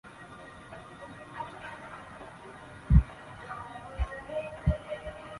直接竞争对手是德国品牌日默瓦。